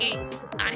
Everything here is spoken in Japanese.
あれ？